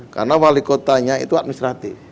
karena wali kotanya itu administratif